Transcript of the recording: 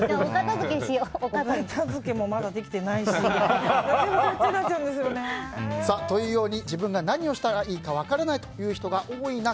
お片付けもまだできてないし。というように自分が何をしたらいいか分からないという人が多い中